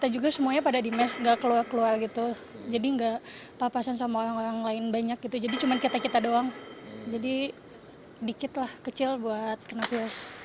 jadi cuma kita kita doang jadi dikit lah kecil buat kena virus